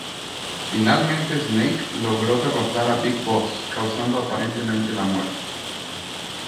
Finalmente Snake logró derrotar a Big Boss, causando aparentemente la muerte.